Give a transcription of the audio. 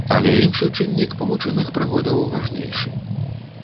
Але іншы чыннік павучыных прыгодаў важнейшы.